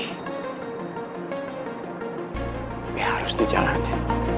tapi harus dijalannya